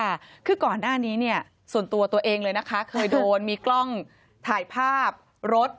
ค่ะคือก่อนหน้านี้เนี่ยส่วนตัวตัวเองเลยนะคะเคยโดนมีกล้องถ่ายภาพรถ